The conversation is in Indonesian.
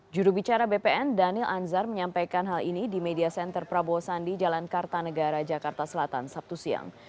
jurubicara bpn daniel anzar menyampaikan hal ini di media center prabowo sandi jalan kartanegara jakarta selatan sabtu siang